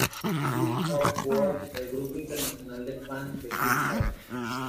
Kick Off World, el grupo internacional de fanes de Kick off.